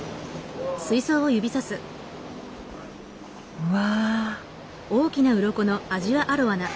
うわ！